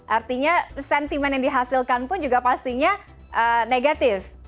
artinya sentimen yang dihasilkan pun juga pastinya negatif